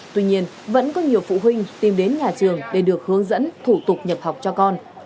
tuy nhiên vẫn có nhiều phụ huynh tìm đến nhà trường để được hướng dẫn thủ tục nhập học cho con